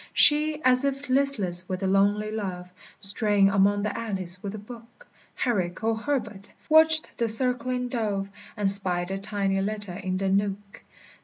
She, as if listless with a lonely love, Straying among the alleys with a book, Herrick or Herbert, watched the circling dove, And spied the tiny letter in the nook.